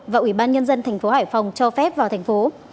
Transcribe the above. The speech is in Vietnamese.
và ủy ban nhân dân thành phố hải phòng cho phép vào thành phố